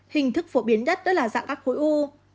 hình thức phổ biến nhất đó là dạng các khối u